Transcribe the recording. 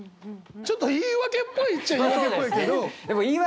ちょっと言い訳っぽいっちゃ言い訳っぽいけど。